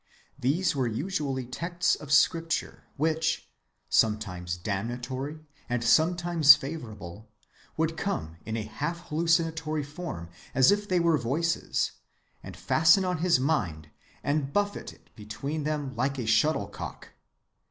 These were usually texts of Scripture which, sometimes damnatory and sometimes favorable, would come in a half‐hallucinatory form as if they were voices, and fasten on his mind and buffet it between them like a shuttlecock.